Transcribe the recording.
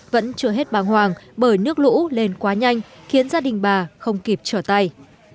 vẫn chưa hết bàng hoàng bởi nước lũ lên quá nhanh khiến gia đình bà không kịp trở tay